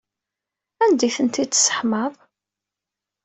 Anda ay ten-id-tesseḥmaḍ?